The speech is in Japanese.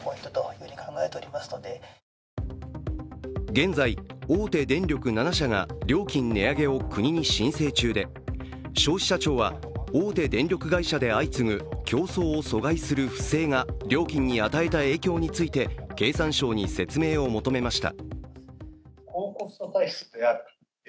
現在、大手電力７社が料金値上げを国に申請中で消費者庁は大手電力会社で相次ぐ競争を阻害する不正が料金に与えた影響について経産省に説明を求めました。